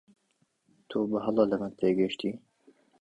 تۆ بەهەڵە لە من تێگەیشتی.